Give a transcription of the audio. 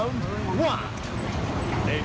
เอาเลยบ้าง